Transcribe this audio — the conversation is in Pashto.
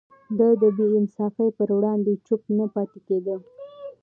ده د بې انصافي پر وړاندې چوپ نه پاتې کېده.